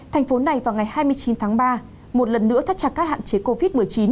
thành phố này vào ngày hai mươi chín tháng ba một lần nữa thắt chặt các hạn chế covid một mươi chín